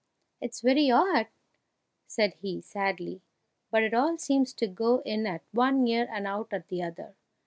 "It's very odd," said he, sadly, "but it all seems to go in at one ear and out at the other!